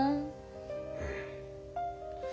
うん。